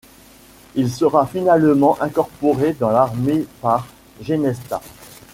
Il sera finalement incorporé dans l'armée par Genestas.